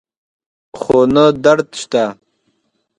خو نه درد شته